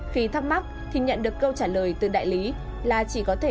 khi thắc mắc thì nhận được câu trả lời từ đại lý là chỉ có thể